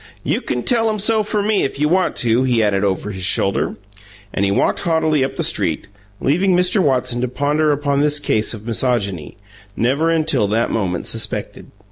"You can tell 'em so for me, if you want to!" he added over his shoulder. And he walked haughtily up the street, leaving Mr. Watson to ponder upon this case of misogyny, never until that moment suspected.